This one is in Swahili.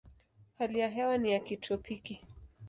Hali ya hewa ni ya kitropiki.